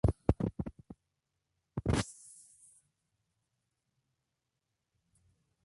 Fue hijo de Pedro F. Gamio Suárez e Isabel Palacio Velarde.